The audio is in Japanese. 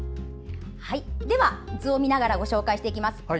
では、図を見ながらご紹介していきます。